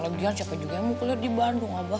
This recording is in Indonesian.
kalau dia siapa juga mau kuliah di bandung abah